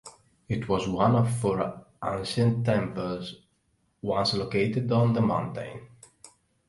It was one of four ancient temples once located on the mountain.